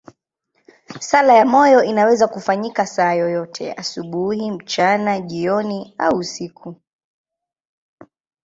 Sala ya moyo inaweza kufanyika saa yoyote, asubuhi, mchana, jioni au usiku.